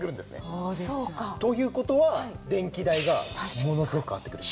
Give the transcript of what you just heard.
そうですよ。という事は電気代がものすごく変わってくる。